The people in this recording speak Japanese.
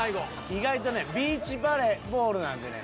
意外とねビーチバレーボールなんでね。